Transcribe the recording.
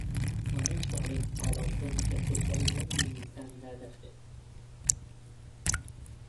هەموو ساڵێک پاڵاوتن لە کۆتایی مانگی نیسان دادەخرێت